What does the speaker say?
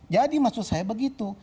jadi maksud saya begitu